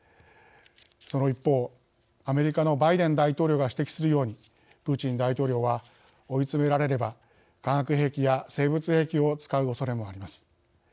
その一方、アメリカのバイデン大統領が指摘するようにプーチン大統領は追い詰められれば化学兵器や生物兵器を使うおそれもあります。